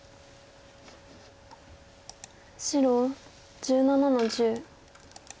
白１７の十。